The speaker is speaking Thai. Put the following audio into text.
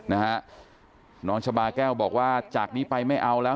นะฮะน้องชะบาแก้วบอกว่าจากนี้ไปไม่เอาแล้ว